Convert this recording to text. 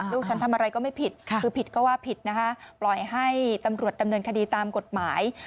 ลูกฉันทำอะไรก็ไม่ผิดคือผิดก็ว่าผิดนะคะปล่อยให้ตำรวจดำเนินคดีตามกฎหมาย